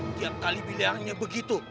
tiap kali bilangnya begitu